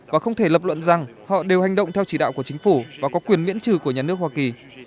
và không thể lập luận rằng họ đều hành động theo chỉ đạo của chính phủ và có quyền miễn trừ của nhà nước hoa kỳ